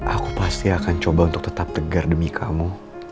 aku pasti akan coba untuk tetap tegar demi kamu